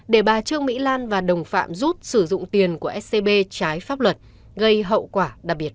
để bà trương mỹ lan và đồng phạm rút sử dụng tiền của scb trái pháp luật